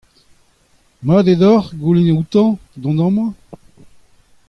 Mat eo deoc'h goulenn outañ dont amañ ?